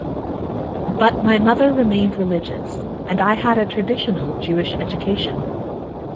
But my mother remained religious and I had a traditional Jewish education.